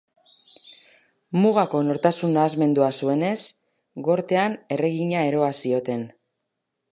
Mugako nortasun-nahasmendua zuenez, Gortean Erregina Eroa zioten.